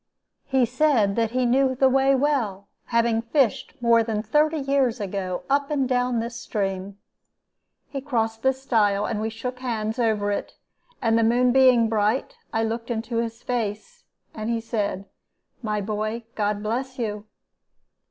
He said that he knew the way well, having fished more than thirty years ago up and down this stream. He crossed this stile, and we shook hands over it, and the moon being bright, I looked into his face, and he said, 'My boy, God bless you!'